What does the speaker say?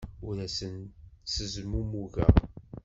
Ur asen-ttezmumugeɣ.